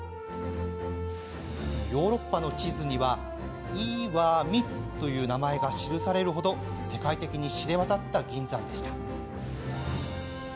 ヨーロッパの地図には「いわみ」の名前が記される程世界的に知れ渡った銀山でした。